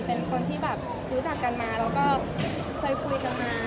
เป็นคนที่แบบรู้จักกันมาแล้วก็เคยคุยกันมา